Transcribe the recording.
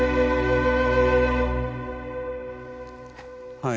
はい。